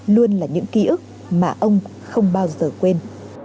luôn là những ký ức mà ông không bao giờ quên